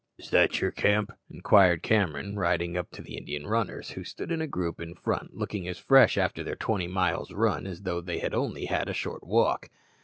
"Is that your camp?" inquired Cameron, riding up to the Indian runners, who stood in a group in front, looking as fresh after their twenty miles' run as though they had only had a short walk.